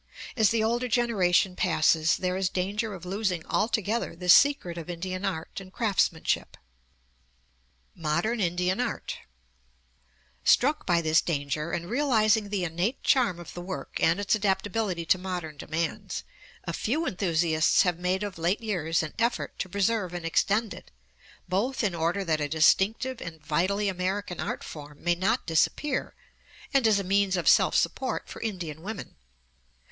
As the older generation passes, there is danger of losing altogether the secret of Indian art and craftsmanship. MODERN INDIAN ART Struck by this danger, and realizing the innate charm of the work and its adaptability to modern demands, a few enthusiasts have made of late years an effort to preserve and extend it, both in order that a distinctive and vitally American art form may not disappear, and as a means of self support for Indian women.